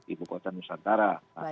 ibu kota nusantara